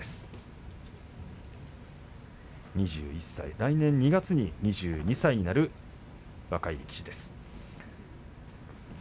来年２月に２２歳になる若い力士王鵬です。